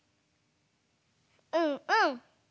うんうん。